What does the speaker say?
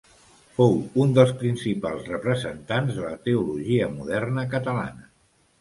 Fou un dels principals representants de la teologia moderna catalana.